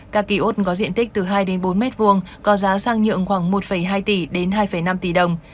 các ký ốt có diện tích từ hai bốn mét vuông có giá sang nhượng khoảng một hai tỷ đến hai năm tỷ đồng